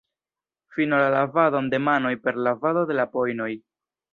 Finu la lavadon de manoj per lavado de la pojnoj.